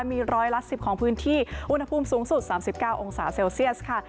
มีร้อยละ๑๐ของพื้นที่อุณหภูมิสูงสุด๓๙องศาเซลเซียสค่ะ